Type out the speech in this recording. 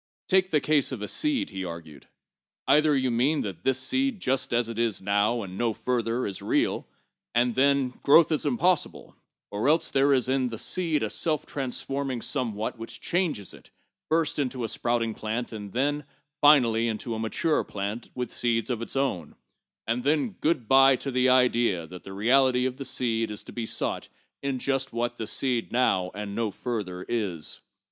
"Take the case of a seed"; he urged, "either you mean that this seed just as it now is, and no further, is real, and then growth is impossible; or else there is in the seed a self transforming somewhat which changes it first into a sprouting plant, and then, finally, into a mature plant with seed of its own ŌĆö and then good by to the idea that the reality of the seed is to be sought in just what the seed now, and no further, is.